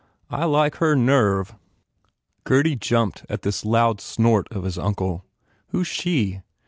"I like her nerve !" Gurdy jumped at this loud snort of his uncle. "Who s she?"